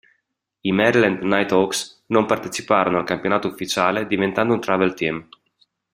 I Maryland Nighthawks non parteciparono al campionato ufficiale, diventando un "travel team".